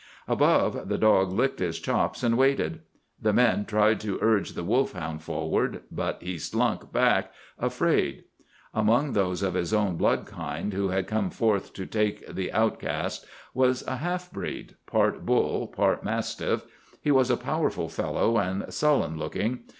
Above, the dog licked his chops, and waited. The men tried to urge the wolf hound forward, but he slunk back, afraid. Among those of his own blood kind who had come forth to take the outcast was a half breed—part bull, part mastiff. He was a powerful fellow, and sullen looking.